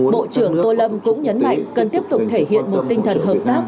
bộ trưởng tô lâm cũng nhấn mạnh cần tiếp tục thể hiện một tinh thần hợp tác